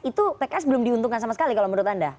itu pks belum diuntungkan sama sekali kalau menurut anda